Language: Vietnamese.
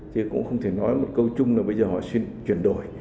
chứ cũng không thể nói một câu chung là bây giờ họ chuyển đổi